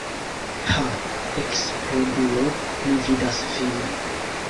Ha eksplodulo, mi vidas vin!